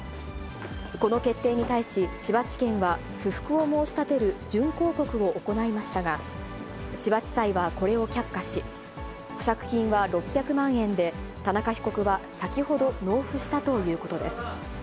この決定に対し、千葉地検は不服を申し立てる準抗告を行いましたが、千葉地裁はこれを却下し、保釈金は６００万円で、田中被告は先ほど、納付したということです。